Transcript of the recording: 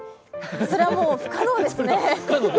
それはもう不可能ですね。